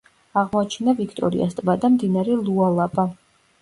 აღმოაჩინა ვიქტორიას ტბა და მდინარე ლუალაბა.